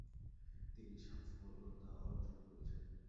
তিনি সফলতা অর্জন করেছেন।